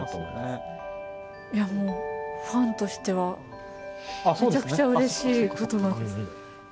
いやもうファンとしてはめちゃくちゃうれしい言葉です。